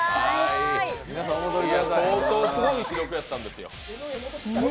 相当すごい記録やったんですよ。